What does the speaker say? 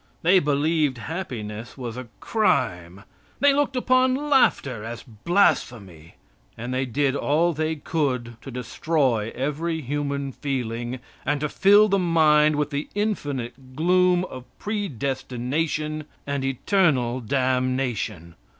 They believed happiness was a crime; they looked upon laughter as blasphemy, and they did all they could to destroy every human feeling, and to fill the mind with the infinite gloom of predestination and eternal damnation.